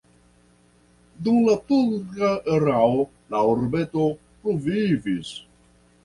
Dum la turka erao la urbeto pluvivis.